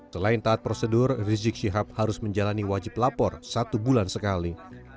selain taat prosedur rizik syihab harus menjalani wajib lapor satu bulan sekali